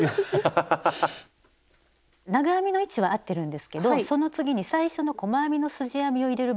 長編みの位置はあってるんですけどその次に最初の細編みのすじ編みを入れる場所がね